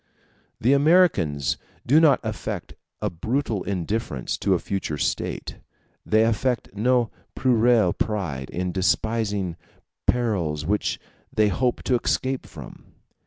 The Americans do not affect a brutal indifference to a future state; they affect no puerile pride in despising perils which they hope to escape from.